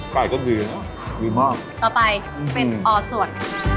ปัดก็ดีเนอะดีมากต่อไปเป็นออส่วน